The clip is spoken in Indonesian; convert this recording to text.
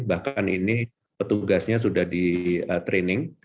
bahkan ini petugasnya sudah di training